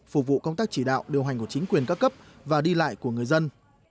phục vụ công tác chỉ đạo điều hành của chính quyền các cấp và đi lại của người dân